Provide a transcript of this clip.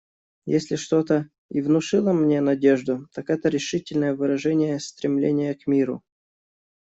Если что-то и внушило мне надежду, так это решительное выражение стремления к миру.